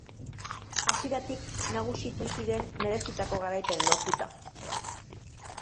Hasieratik nagusitu ziren merezitako garaipena lortuta.